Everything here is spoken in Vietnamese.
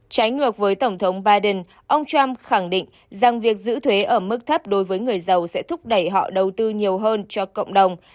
trái ngược với tổng thống biden ông trump khẳng định rằng việc giữ thuế ở mức thấp đối với người giàu sẽ thúc đẩy họ đầu tư nhiều hơn cho cộng đồng